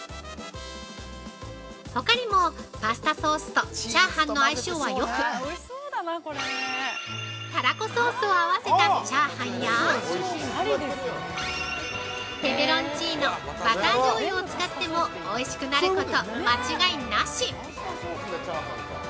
ほかにもパスタソースとチャーハンの相性はよく、たらこソースを合わせたチャーハンや、ペペロンチーノ、バターじょうゆを使ってもおいしくなること間違いなし！